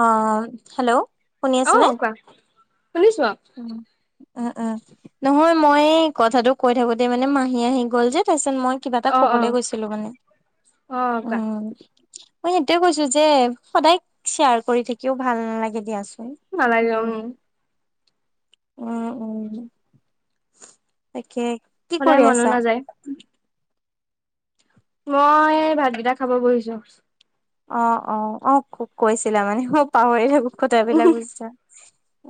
অ hello শুনি আছে নে? শুনিছোৱা। অঁ, উম উম। নহয় মই এই কথাটো কৈ থাকোতেই মানে মাহী আহি গ'ল যে তাৰপিছত মই কিবা এটা অ অ ক'বলে গৈছিলো মানে, অ কোৱা উম। মই সেইটোৱে কৈছোঁ যে সদায় শ্বেয়াৰ কৰি থাকিও ভাল নালাগে দিয়াচোন। নালাগে উম। উম উম তাকে। কি সদায় কৰি মনো আছা? নাযায়। মই ভাতকিটা খাব বহিছোঁ। অ অ অ খুব কৈছিলা মানে মই পাহৰি থাকো কথাবিলাক বুজিছা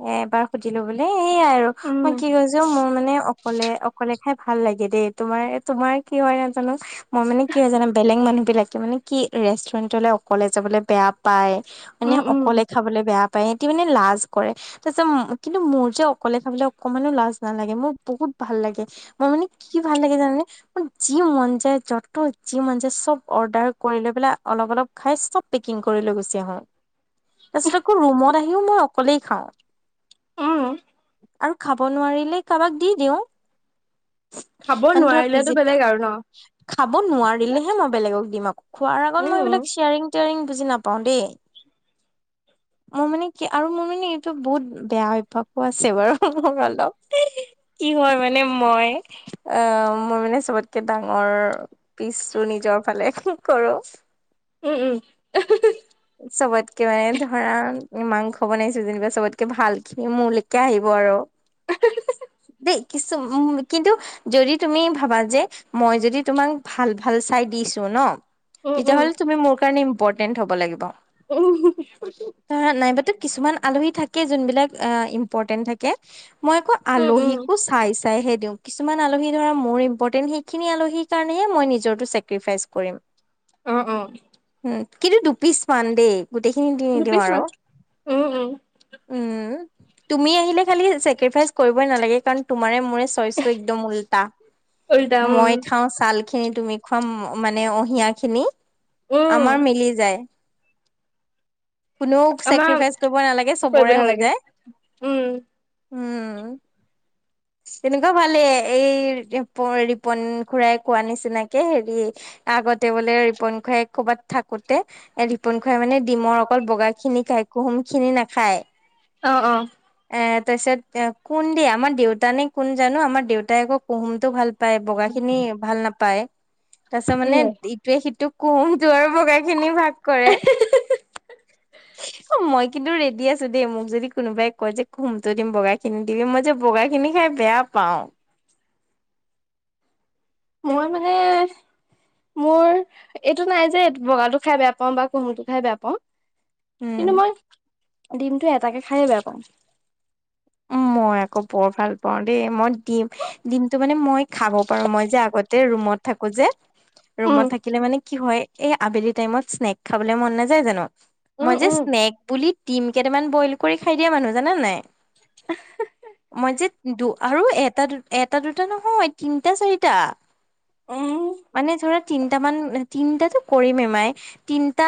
এ এবাৰ সুধিলো বোলে। এইয়াই আৰু মই উম কি কৈছোঁ মোৰ মানে অ অকলে অকলে খাই ভাল লাগে দেই তোমাৰ তোমাৰ কি হয় নাজানো মই মানে কি হয় জানা বেলেগ মানুহ বিলাকে মানে কি ৰেষ্টুৰেন্ট টলে অকলে যাবলে বেয়া পায় মানে উম উম অকলে খাবলৈ বেয়া পায় সিহঁতি মানে লাজ কৰে। তাৰপিছত মো কিন্তু মোৰ যে অকলে খাবলে অকমানো লাজ নালাগে মোৰ বহুত ভাল লাগে। মই মানে কি ভাল লাগে জানানে? মোৰ যি মন যায় য'ত যি মন যায় চব অৰ্ডাৰ কৰি লৈ পেলাই অলপ অলপ খাই চব পেকিং কৰি লৈ গুচি আহোঁ। তাৰপিছত আকৌ ৰুমত আহিও মই অকলেই খাওঁ। উম। আৰু খাব নোৱাৰিলে কাবাক দি দিওঁ। খাব মানে ধৰ নোৱাৰিলেটো পিজিত বেলেগ আৰু ন খাব নোৱাৰিলেহে মই বেলেগক দিম আকৌ খোৱাৰ আগত মই উম এইবিলাক চেয়াৰিং টেয়াৰিং বুজি নাপাওঁ দেই। মোৰ মানে কি আৰু মোৰ মানে এইটো বহুত বেয়া অভ্যাসো আছে বাৰু মোৰ অলপ। কি হয় মানে মই অ মই মানে চবতকে ডাঙৰ পিচটো নিজৰ ফালে উমহ কৰোঁ। উম উম। উ [inaudible] চবতকে মানে ধৰা মাংস বনাইছো যেনিবা চবতকে ভাল খিনি মোলৈকে আহিব আৰু। দেই কিছু উম কিন্তু যদি তুমি ভাবা যে, মই যদি তোমাক ভাল-ভাল চাই দিছো ন। উম উম তেতিয়াহ'লে তুমি, মোৰ কাৰণে ইম্পৰ্টেন্ট হ'ব লাগিব। উম' ধৰা নাইবাতো কিছুমান আলহী থাকে, যোনবিলাক ইম্পৰ্টেন্ট থাকে। মই আকৌ উম উম উম আলহিকো চাইছ চাইহে দিওঁ। কিছুমান আলহি ধৰা মোৰ ইম্পৰ্টেণ্ট সেইখিনি আলহিৰ কাৰণেহে মই নিজৰটো চেক্ৰিফাইচ কৰিম। অঁ অঁ। উম, কিন্তু দুপিচমান দেই। গোটেইখিনি দি নিদিওঁ দুপিচ আৰু মান উম উম উম তুমি আহিলে খালী চেক্ৰেৰীফাইজ কৰিব নালাগে কাৰণ তোমাৰেই মোৰে ছইজ একম উলটা উল্টা উম মই খাওঁ ছাল খিনি তুমি খোৱাম মানে অহিয়া খিনি উম আমাৰ মিলি যায় কোনেও আমাৰ চেক্সিফাইচ কৰিব নালাগে কৰিব চবৰে হৈ নালাগে যায় উম উম' তেনেকুৱা ভালেই, এই ৰিপন-ৰিপন খুৰাই কোৱা নিচিনাকে হেৰি আগতে বোলে ৰিপন খুৰায়ে, ক'ৰবাত থাকোতে এ ৰিপন খুৰাই মানে ডিমৰ অকল বগা খিনি খাই, কুহুম খিনি নেখায়। অ অ এ তাৰপিছত, কোন দিয়া আমাৰ দেউতা নে, কোন জানো, আমাৰ দেউতাই আকৌ কুহুমটো ভাল পায়, বগা খিনি ভাল নাপায়। তাৰ পিছত মানে, ইটোৱে-সিটোক কোহুমটো আৰু বগা খিনি ভাগ কৰে। [inaudible] অ, মই কিন্তু ৰেডি আছো দেই, মোক যদি কোনোবাই কয় যে কুহুমটো দিম, বগা খিনি দিবি, মই যে বগা খিনি খাই বেয়া পাওঁ। মই মানে মোৰ এইটো নাই যে, বগাটো খাই বেয়া পাওঁ, বা কুহুমটো খাই বেয়া পাওঁ। উম, কিন্তু মই ডিমটো এটাকে খায়ে বেয়া পাওঁ। উম, মই আকৌ বৰ ভাল পাওঁ দেই। মই ডিম ডিমটো মানে মই খাব পাৰো, মই যে আগতে ৰুমত থাকো যে। উম, ৰুমত থাকিলে মানে কি হয়, এই আবেলি টাইমত স্নেক খাবলে মন নাযায় জানো। উম, মই যে উম, স্নেক বুলি, ডিম কেইটামান বইল কৰি খাই দিয়া মানুহ। জান নে নাই? আহাহা মই যে দু আৰু এটা-এটা, দুটা নহয় তিনটা, চাৰিটা। উম মানে ধৰা তিনটা মান, তিনটাতো কৰিমে মায়ে। তিনটা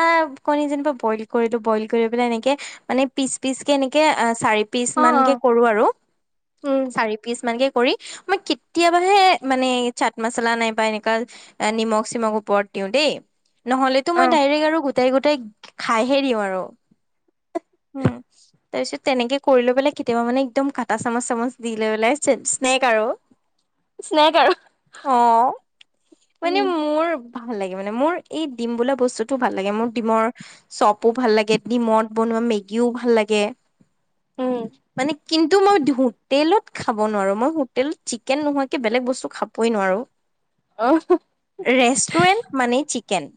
কণী যেনিবা বইল কৰিলো, বইল কৰি পেলাই এনেকে। মানে পিচ-পিচ কে এনেকে চাৰি পিচ অ', মান কে অ', কৰো আৰু, উম, চাৰি পিচ মান কে। কৰি, মই কেতিয়াবাহে মানে চাট মচলা নাইবা এনেকুৱা নিমখ-চিমখ ওপৰত দিওঁ দেই, নহলেতো মই অ'। ডাইৰেক্ট আৰু গোটাই-গোটাই খাইহে দিওঁ আৰু, হম তাৰপিছত তেনেকে কৰি লৈ পেলাই কেতিয়াবা মানে একদম, কাটা চামুচ-চামুচ দি লৈ পেলাই, স্নেক আৰু। স্নেক আৰু। অহ মানে উম, মোৰ ভাল লাগে, মানে মোৰ এই ডিম বোলা বস্তুটো ভাল লাগে। মোৰ ডিমৰ চপো ভাল লাগে। ডিমত বনোৱা মেগিও ভাল লাগে। উম, মানে কিন্তু মই ধুত হোটেলত খাব নোৱাৰো, মই হোটেলত চিকেন নোহোৱাকে বেলেগ বস্তু খাবই নোৱাৰো। অ হ ৰেষ্টুৰেণ্ট মানে চিকেন।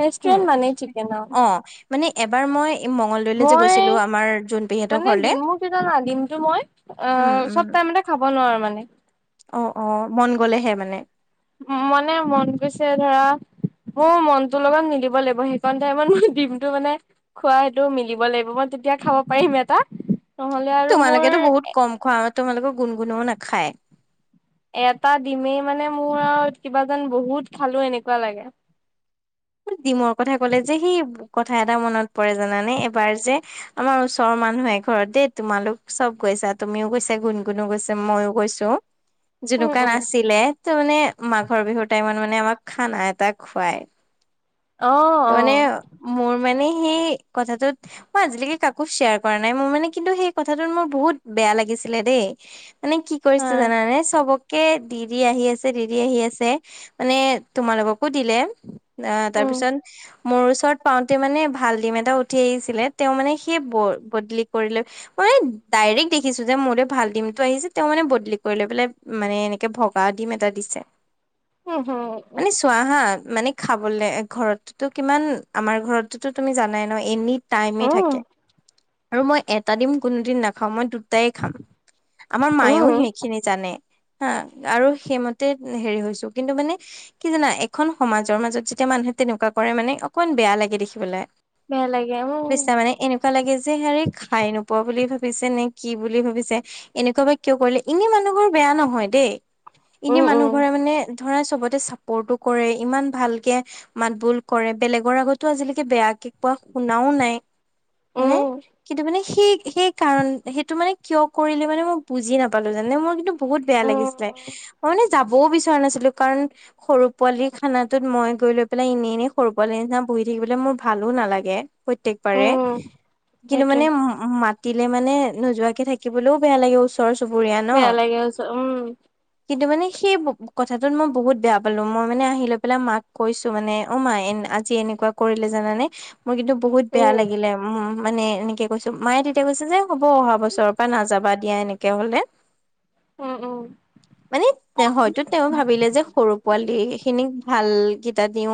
ৰেষ্টুৰেণ্ট মানেই চিকেন আৰু। অ মানে এবাৰ মই মংগলদৈলৈ যে মই গৈছিলো আমাৰ জোনপেহীহঁতৰ মানে ঘৰলে ডিমো কি জানা, ডিমটো মই অ, উম উম চব টাইমতে খাব নোৱাৰো মানে অ অ মন গ'লেহে মানে মনে, মন গৈছে ধৰা। মোৰ মনটো লগত মিলিব লাগিব সেইকণ টাইমত দিনটো মানে খোৱা সেইটো মিলিব লাগিব মই তেতিয়া খাব পাৰিম এটা, নহ'লে আৰু তোমালোকেতো বহুত মোৰ কম খোৱা, তোমালোকৰ গুণ-গুণো নাখায়। এটা ডিমেই মানে, মোৰ আৰু কিবা যেন বহুত খালো এনেকুৱা লাগে। ডিমৰ কথা ক'লে যে, সেই কথা এটা মনত পৰে জানানে, এবাৰ যে আমাৰ ওচৰৰ মানুহ এঘৰত দেই, তোমালোক চব গৈছা, তুমিও গৈছা, গুণ-গুণো গৈছে, মইয়ো গৈছো। ত' উম, যেনেকুৱাই উম। নাছিলে, ত' মানে মাঘৰ বিহুৰ টাইমত মানে আমাক খানা এটা খুৱাই। অ', ত' মানে, অ', মোৰ মানে সেই কথাটোত মই আজিলৈকে কাকো শ্বেয়াৰ কৰা নাই মোৰ মানে কিন্তু সেই কথাটোত মোৰ বহুত বেয়া লাগিছিলে দেই। মানে কি কৰিছে আহ, জানানে? চবক কে দি দি আহি আছে দি দি আহি আছে মানে তোমালোককো দিলে। অ তাৰ উম, পিছত মোৰ ওচৰত পাওঁতে মানে ভাল ডিম এটা উঠি আহিছিলে তেওঁ মানে সেই ব বদলি কৰিলৈ আৰে ডাইৰেক্ট দেখিছো যে মোলে ভাল ডিমটো আহিছে তেওঁ মানে বদলি কৰি লৈ পেলাই মানে এনেকে ভগা দিম এটা দিছে। হু হু উ চোৱাহা মানে খাবলে ঘৰততোটো কিমান আমাৰ ঘৰতো তুমি জানাই ন এনি টাইমে উম, থাকে আৰু মই এটা দিম কোনো দিন নাখাওঁ মই দুট টাই খাম আমাৰ মায়েও উম, সেই খিনি জানে হা আৰু সেইমতে হেৰি হৈছো কিন্তু মানে কি জানা এখন সমাজৰ মাজত যেতিয়া মানুহে তেনেকুৱা কৰে মানে অকমান বেয়া লাগে দেখিবলে, বেয়া লাগে উম, বুইছা মানে এনেকুৱা এনেকুৱা লাগে যে হেৰি খাই নোপোৱা বুলি ভাবিছে নে কি বুলি ভাবিছে? এনেকুৱা বা কিয় কৰিলে এনেই মানুহবোৰ বেয়া নহয় দেই। এনে উম, মানুহ ঘৰে মানে ধৰা চবতে চাপৰ্টো কৰে ইমান ভালকে মাত বোল কৰে বেলেগৰ আগতো আজিলৈকে বেয়াকে কোৱা শুনাও নাই। উম, হয়নে, উম, কিন্তু মানে সেই সেই কাৰণ সেইটো মানে কিয় কৰিলে মানে মই বুজিয়ে নাপালো জানানে মোৰ কিন্তু বহুত বেয়া উম, লাগিছিলে, মই মানে যাবও বিচৰা নাছিলো কাৰণ সৰু পোৱালি খানাটোত মই গৈ লৈ পেলাই ইনে ইনে সৰু পোৱালি নিচিনা বহি থাকিবলৈ মোৰ ভালো নালাগে প্ৰত্যেকবাৰে। উম কিন্তু সেইটোৱে মানে উ মাতিলে মানে নোযোৱাকে থাকিবল ও বেয়া লাগে ওচৰত। ওচৰ চুবুৰীয়া ন। বেয়া লাগে উম, কিন্তু মানে সেই কথাটোত মই বহুত বেয়া পালো মই মানে আহি লৈ পেলাই মাক কৈছো মানে অ মাই এ আজি এনেকুৱা কৰিলে জানানে মোৰ কিন্তু বহুত বেয়া উম, লাগিলে ওহো ওহো। মানে এনেকে কৈছো, মায়ে তেতিয়াই কৈছে যে হ'ব অহা বছৰৰ পৰা নাযাবা দিয়া এনেকে ক'লে। উম উম মানে তে হয়তো তেওঁ ভাবিলে যে সৰু পোৱালিখিনিক ভালকেইটা দিও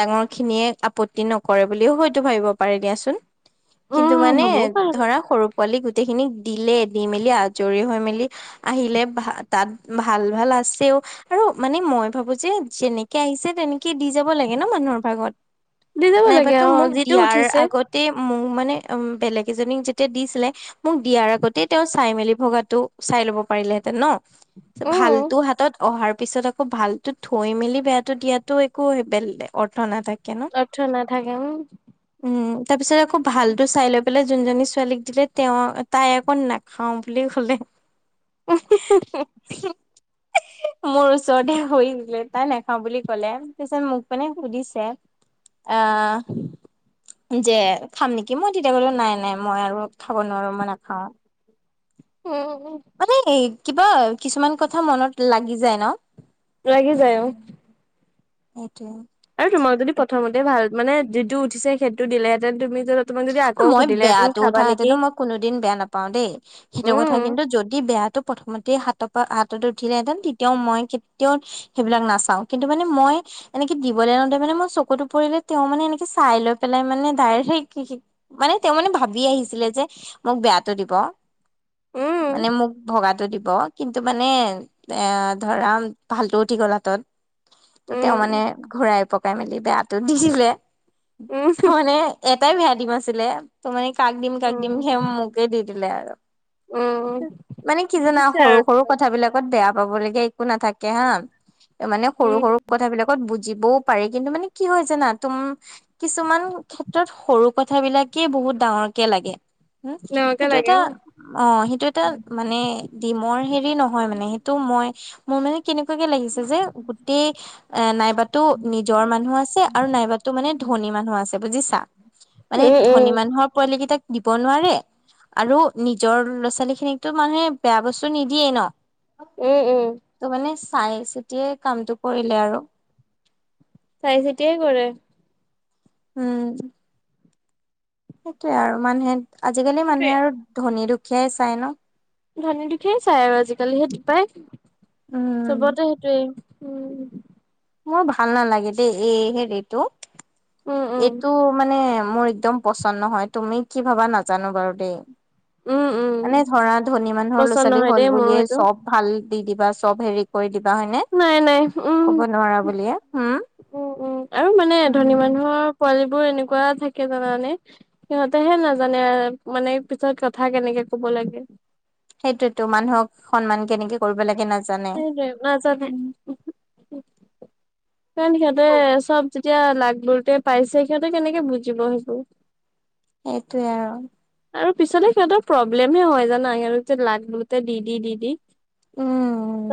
ডাঙৰখিনিয়ে আপত্তি নকৰে বুলিও হয়তো ভাবিব পাৰে দিয়াচোন। কিন্তু উম মানে হ'বও পাৰে বাৰু ধৰা সৰু পোৱালি গোটেইখিনিক দিলে, দি মেলি আজৰি হৈ মেলি আহিলে ভা তাত ভাল ভাল আছেও। আৰু মানে মই ভাবো যে যেনেকে আহিছে তেনেকে দি যাব লাগে ন মানুহৰ ভাগত। দি যাব লাগে নাইবাতো মোক অ', যিটো দিয়াৰ উঠিছে আগতে মোক মানে উ বেলেগ এজনীক যেতিয়া দিছিলে মোক দিয়াৰ আগতেই তেওঁ চাই মেলি ভগাটো চাই লব পাৰিলেহেঁতেন ন! উম, ভালটো হাতত অহাৰ পিছত আকৌ ভালটো থৈ মেলি বেয়াটো দিয়াতো একো অৰ্থ নাথাকে। ন অৰ্থ নাথাকে, উম। উম তাৰ পিছত আকৌ ভালটো চাই লৈ পেলাই যোনজনী ছোৱালীক দিলে তেওঁ তাই আকৌ নাখাওঁ বুলি ক'লে [unintelligible] মোৰ ওচৰতে সৰি দিলে তাই নাখাওঁ বুলি ক'লে, পিছত মোক মানে সুধিছে আহ যে খাম নেকি মই তেতিয়া কলো নাই নাই মই আৰু খাব নোৱাৰো মই নাখাও ওম মানে কিবা কিছুমান কথা মনত লাগি যায় ন লাগি যায় অ এইটোৱে আৰু তোমাক যদি প্ৰথমতে ভাল মানে যিটো উঠিছে সেইটো দিলেহেঁতেন তুমি যে মই বেয়াটো উঠাহেতেনো মই কোনোদিন বেয়া নাপাও দেই সেইটো কথা উম, কিন্তু যদি বেয়াটো প্ৰথমতে হাতৰ পৰা হাতত উঠিলেহেঁতেন তেতিয়াও মই কেতিয়াও সেইবিলাক নাচাও কিন্তু মানে মই এনেকে দিবলে আনোতে মানে মই চকুত পৰিলে তেওঁ মানে এনেকে চাই লৈ পেলাই মানে ডাইৰেক্ট মানে তেওঁ মানে ভাবি আহিছিলে যে মোক বেয়াটো দিব উম, মানে মোক ভগাটো দিব কিন্তু মানে এ ধৰা ভালটো উঠি গল হাতত ত তেওঁ উম, মানে ঘূৰাই পকাই মেলি বেয়াতো দি দিলে উম, মানে এটাই বেয়া দিম আছিলে ত মানে কাক দিম কাক দিম উম। সেও মোকে দি দিলে আৰু উম। মানে কি দি জানা দিছে সৰু আৰু সৰু তোমাকে, কথাবিলাক বেয়া পাব লগীয়া একো নাথাকে হা মানে সৰু উম, সৰু কথা বিলাক গত বুজিবও পাৰে কিন্তু মানে কি হয় জানা তুম কিছুমান ক্ষেত্ৰত সৰু কথা তাকে বহুত ডাঙৰকে লাগে হম তেওঁকে সেইটো লাগে এটা অ'। অ সেইটো এটা মানে দিমৰ হেৰি নহয় মানে সেইটো মই মোৰ মানে কেনেকুৱাকে লাগিছে যে গোটেই এ নাইবাতো নিজৰ মানুহ আছে আৰু নাইবাতো মানে ধনী মানুহ আছে বুজিছা মানে উম, উম, ধনী মানুহৰ পোৱালি কেইটাক দিব নোৱাৰে আৰু নিজৰ ল'ৰা ছোৱালী খিনিকতো মানুহে বেয়া বস্তু নিদিয়েই ন উম উম ত মানে চাই চিতিয়ে কামটো কৰিলে আৰু চাই চিতিয়ে কৰে উম সেইটোৱে আৰু মানুহে আজিকালি সেইটোৱে। মানুহে আৰু ধনী দুখীয়াই চাই ন ধনী দুখীয়াই চাই আৰু আজিকালি সেইটো পাই উম চবতে সেইটোৱেই উম মোৰ ভাল নালাগে দেই এই হেৰিটো উম, উম, এইটো মানে মোৰ একদম পচন্দ নহয় তুমি কি ভাবা নাজানো বাৰু দেই উম, উম, মানে ধৰা ধনী মানুহৰ ল'ৰা পচন্দ ছোৱালী নহয় হ'ল দেই মোৰ বুলিয়ে সেইটো, চব ভাল দি দিবা চব হেৰি কৰি দিবা হয়নে নাই নাই, উম। ক'ব নোৱাৰা বুলিয়ে হম উম উম আৰু মানে ধনী উম মানুহৰ পোৱালীবোৰ এনেকুৱা থাকে জানানে সিহঁতেহে নাজানে মানে পিছত কথা কেনেকে কব লাগে সেইটোৱে টো মানুহক সন্মান কেনেকে কৰিব লাগে নাজানে সেইটোৱে নাজানে। [inaudible] কাৰণ সিহঁতে চব যেতিয়া লাগবোৰুতে পাইছে সিহঁতে কেনেকে বুজিব সেইবোৰ সেইটোৱে আৰু আৰু পিছলে সিহঁতৰ প্ৰব্লেম হে হয় জানা সিহঁতক লাগ বোলোতে দি দি দি দি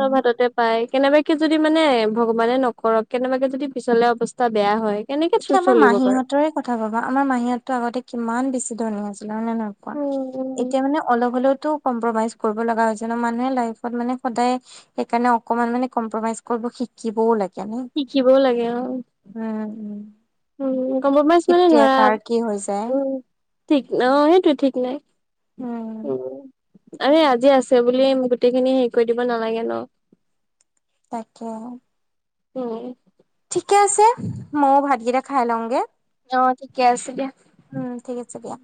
চব হাততে পাই কেনেবা', কে যদি মানে ভগৱানে নকৰক কেনেবাকে যদি পিছলে অৱস্থা বেয়া হয়', কেনেকে চ', এতিয়া আমাৰ -চলিব বাৰু', মাহীহঁতৰে কথা ভাবা, আমাৰ মাহীতো আগতে কিমান বেছি ধনী আছে', হয় নে নহয় কোৱা উম উম এতিয়া মানে অলপ হ'লেওতো কম্প্ৰমাইজ কৰিব লগা হৈছে ন মানুহে লাইফত মানে সদায় সেইকাৰণে অকমান মানে কম্প্ৰমাইজ কৰিব শিকিবও লাগে। ন শিকিবও লাগে অ উম', - উম', উম', কম্প্ৰমাইজ মানে কেতিয়া ধৰা, কাৰ কি হৈ যায় উম', ঠিক অ', সেইটো ঠিক নাই উম', আৰে আজি আছে বুলি গোটেইখিনি হেৰি কৰি দিব নালাগে ন', তাকে', তুমি', ঠিকে আছে, ময়ো ভাতকেইটা খাই লওঁগে', অ', ঠিকে আছে দিয়া', উম', ঠিক আছে দিয়া',